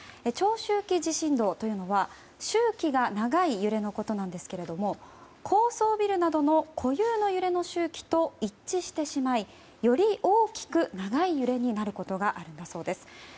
長周期地震動というのは周期が長い揺れのことなんですけど高層ビルなどの固有の揺れの周期と一致してしまいより大きく長い揺れになることがあるんだそうです。